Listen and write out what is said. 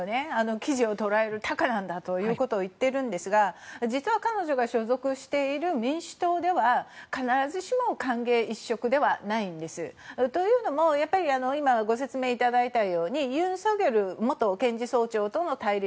キジを捕らえるタカなんだと言っていますが実は彼女が所属している民主党では必ずしも歓迎一色ではないんです。というのも今ご説明いただいたようにユン・ソクヨル前検事総長との対立